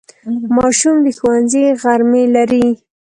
ماشوم د ښوونځي غرمې لري.